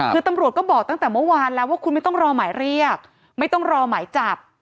คือตำรวจก็บอกตั้งแต่เมื่อวานแล้วว่าคุณไม่ต้องรอหมายเรียกไม่ต้องรอหมายจับ